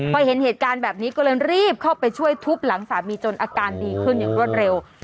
พอเห็นเหตุการณ์แบบนี้ก็เลยรีบเข้าไปช่วยทุบหลังสามีจนอาการดีขึ้นอย่างรวดเร็ว